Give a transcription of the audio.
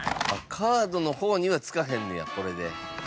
カードの方には付かへんねやこれで。